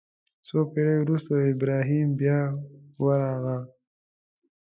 څو پېړۍ وروسته ابراهیم بیا ورغاوه.